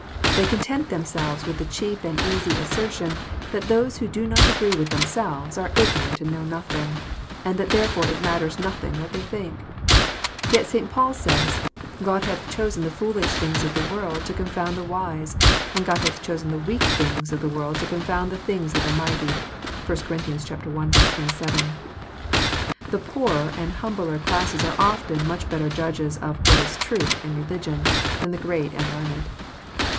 They content them selves with the cheap and easy assertion that those who do not agree with themselves are ignorant and know nothing, and that therefore it matters nothing what they think. Yet St. Paul says, God hath chosen the foolish things of the world to con found the wise ; and God hath chosen the weak things of the world to confound the things that are mighty." (1 Cor. i. 27.) The poorer and humbler classes are often much better Judges of what is truth " in religion than the great and learned.